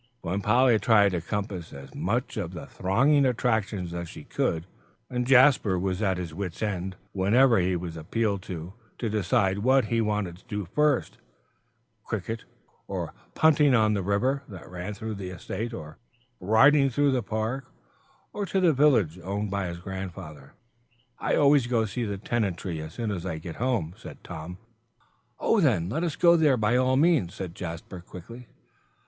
when Polly tried to compass as much of the thronging attractions as she could, and Jasper was at his wits' end whenever he was appealed to, to decide what he wanted to do first "cricket," or "punting on the river," that ran through the estate, or "riding through the park, and to the village owned by his grandfather"? "I always go see the tenantry as soon as I get home," said Tom, simply. "Oh, then, let us go there by all means," said Jasper, quickly.